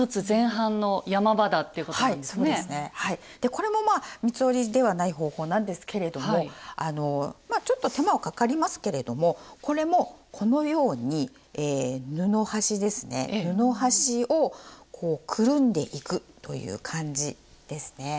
これもまあ三つ折りではない方法なんですけれどもまあちょっと手間はかかりますけれどもこれもこのように布端ですね布端をこうくるんでいくという感じですね。